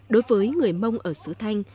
đối với người mong ở sứ thanh